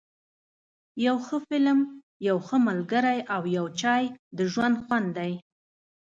یو ښه فلم، یو ښه ملګری او یو چای ، د ژوند خوند دی.